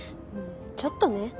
ちょっとね。